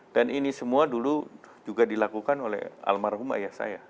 dan ini semua dulu juga dilakukan oleh almarhum ayah saya